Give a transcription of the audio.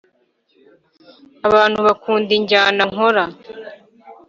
abantu bakunda injyana nkora.